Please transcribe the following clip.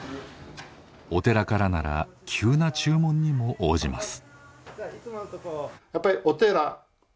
お寺からなら急な注文にも応じます。